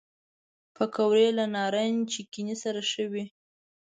پکورې له نارنج چټني سره ښه وي